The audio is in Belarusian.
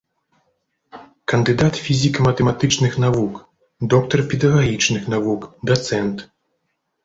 Кандыдат фізіка-матэматычных навук, доктар педагагічных навук, дацэнт.